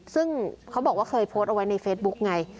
ซึ่งเขาบอกว่าเคยโพสต์เอาไว้ในเฟซบุ๊กไง